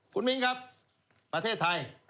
คุณมิ้นครับประเทศไทย